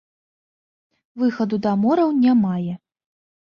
Выхаду да мораў не мае.